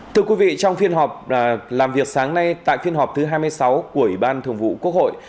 thưa quý vị trong phiên họp làm việc sáng nay tại phiên họp thứ hai mươi sáu của ủy ban thường vụ quốc hội